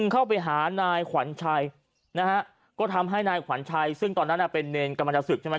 ก็ทำให้นายขวัญชัยซึ่งตอนนั้นเป็นเนรนด์กรรมชาติศึกใช่ไหม